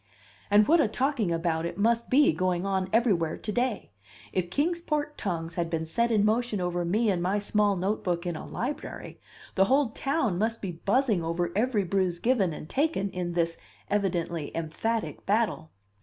And what a talking about it must be going on everywhere to day! If Kings Port tongues had been set in motion over me and my small notebook in a library, the whole town must be buzzing over every bruise given and taken in this evidently emphatic battle.